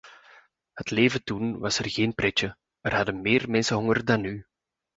Het leven was toen geen pretje, er hadden meer mensen honger dan nu.